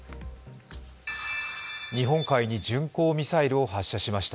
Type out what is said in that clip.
日本海に巡航ミサイルを発射しました。